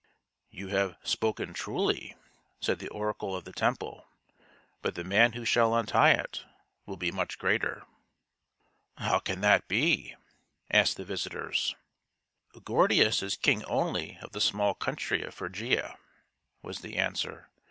" You have spoken truly," said the oracle of the temple ;" but the man who shall untie it will be much greater." " How can that be ?" asked the visitors. " Gordius is king only of the small country of Phrygia," was the answer.